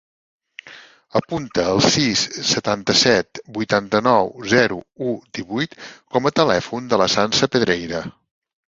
Apunta el sis, setanta-set, vuitanta-nou, zero, u, divuit com a telèfon de la Sança Pedreira.